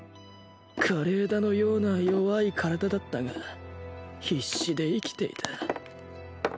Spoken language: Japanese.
枯れ枝のような弱い体だったが必死で生きていた